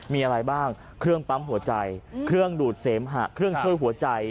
มีอะไรบ้างเครื่องปั๊มหัวใจเครื่องดูดเสมหะเครื่องช่วยหัวใจ